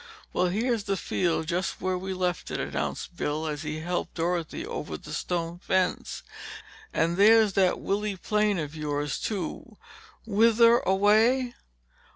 "Well, here's the field just where we left it," announced Bill as he helped Dorothy over the stone fence. "And there's that Willy plane of yours, too. Whither away?"